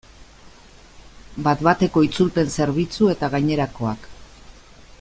Bat-bateko itzulpen zerbitzu eta gainerakoak.